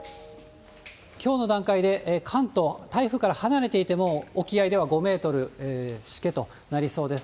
きょうの段階で関東、台風から離れていても、沖合では５メートル、しけとなりそうです。